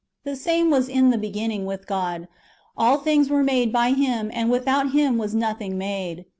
The same was in the beginning with God. All things were made by Him, and without Him was nothing made.